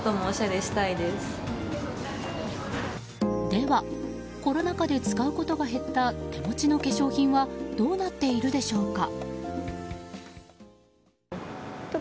では、コロナ禍で使うことが減った手持ちの化粧品はどうなっているでしょうか。